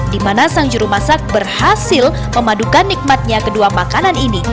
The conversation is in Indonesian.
di mana sang juru masak berhasil memadukan nikmatnya kedua makanan ini